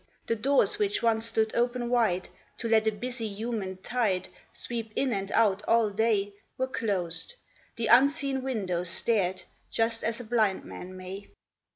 The doors which once stood open wide, To let a busy human tide Sweep in and out all day, Were closed ; the unseeing windows stared Just as a blind man may.